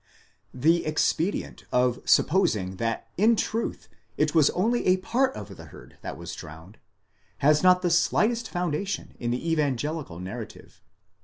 The expedient of supposing that in truth it was only a part of the herd that was drowned,"' has not the slightest foundation in the evangelical narrative.